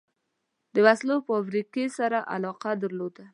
د وسلو فابریکې سره علاقه درلوده.